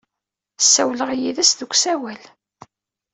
Ssawleɣ yid-s deg usawal.